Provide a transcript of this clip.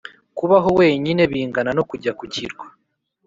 kubaho wenyine bingana no kujya ku kirwa